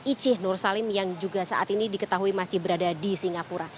icih nur salim yang juga saat ini diketahui masih berada di singapura